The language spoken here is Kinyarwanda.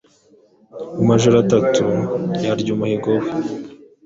Mumajoro atatu Yarya umuhigo we,